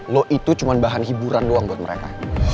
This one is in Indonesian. lo itu cuma bahan hiburan doang buat mereka